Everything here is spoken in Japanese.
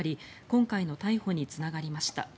今回の逮捕につながりました。